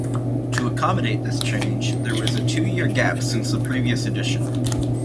To accommodate this change, there was a two-year gap since the previous edition.